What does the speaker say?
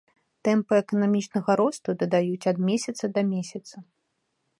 Тэмпы эканамічнага росту дадаюць ад месяца да месяца.